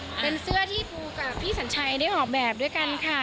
เป็นเสื้อที่ปูกับพี่สัญชัยได้ออกแบบด้วยกันค่ะ